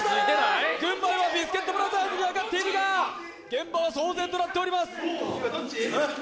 軍配はビスケットブラザーズに上がっているが現場は騒然となっております